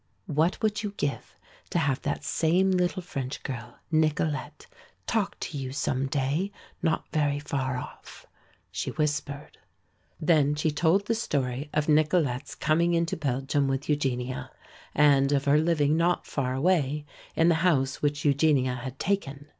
"What would you give to have that same little French girl, Nicolete, talk to you some day not very far off?" she whispered. Then she told the story of Nicolete's coming into Belgium with Eugenia and of her living not far away in the house which Eugenia had taken.